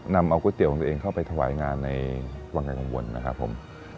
นำเอาก๋วยเตี๋ยของตัวเองเข้าไปถวายงานในวังไกลกังวลนะครับผม